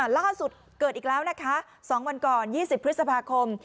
ล่าสุดเกิดอีกแล้วนะคะ๒วันก่อน๒๐พฤษภาคม